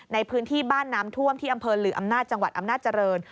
ในพื้นที่บ้านน้ำท่วมที่อำเภอหลืออำนาจจังหวัดอำนาจเจริญ